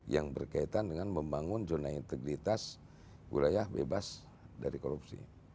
yang berkaitan dengan membangun zona integritas wilayah bebas dari korupsi